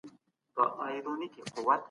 فیوډالي نظام په ټوله اروپا واکمن و.